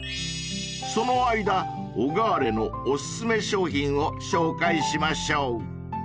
［その間ＯＧＡＲＥのお薦め商品を紹介しましょう］